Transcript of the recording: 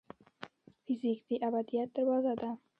فزیک د ابدیت دروازه ده.